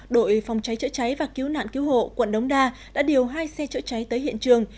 đội phòng cháy chữa cháy và cứu nạn cứu hộ quận đống đa đã điều hai xe chữa cháy tới hiện trường